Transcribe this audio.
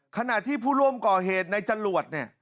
ขณะที่ผู้ร่วมก่อเหตุในจรวดเนี่ย